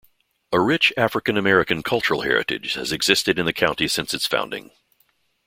A rich African American cultural heritage has existed in the county since its founding.